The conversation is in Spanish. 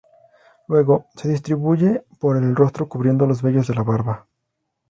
Luego, se distribuye por el rostro cubriendo los vellos de la barba.